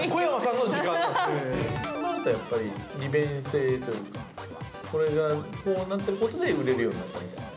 となるとやっぱり利便性というかこれがこうなっていることで売れるようになったみたいな？